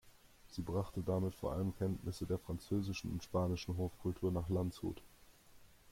Sie brachte damit vor allem Kenntnisse der französischen und spanischen Hofkultur nach Landshut.